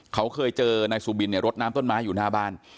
เขาเคยเจอนายสุบินเนี่ยรดน้ำต้นไม้อยู่หน้าบ้าน